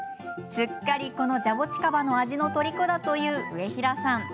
すっかり、このジャボチカバの味のとりこだという上平さん。